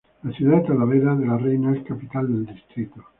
La ciudad de Talavera de la Reyna es capital del distrito.